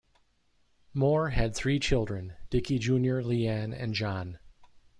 Moore had three children: Dickie Junior Lianne and John.